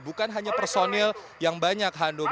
bukan hanya personil yang banyak hanum